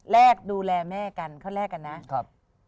แรกดูแลแม่กันเขาแลกกันนะครับ